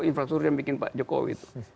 infrastruktur yang bikin pak jokowi itu